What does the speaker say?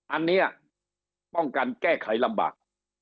อันนี้ป้องกันแก้ไขลำบาก